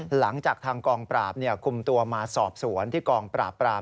หลังจากทางกองปราบคุมตัวมาสอบสวนที่กองปราบปราม